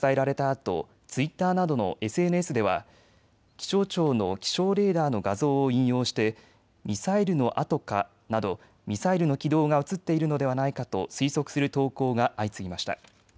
あとツイッターなどのＳＮＳでは気象庁の気象レーダーの画像を引用してミサイルの跡か？などミサイルの軌道が映っているのではないかと推測する投稿が相次ぎました。